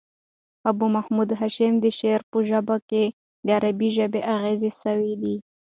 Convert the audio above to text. ابو محمد هاشم د شعر په ژباړه کښي د عربي ژبي اغېزې سوي دي.